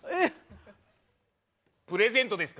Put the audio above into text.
プレゼントですか？